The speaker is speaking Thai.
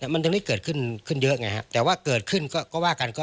มันยังไม่เกิดขึ้นขึ้นเยอะไงฮะแต่ว่าเกิดขึ้นก็ว่ากัน